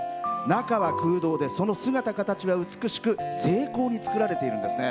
中は空洞で、その姿形は美しく精巧に作られているんです。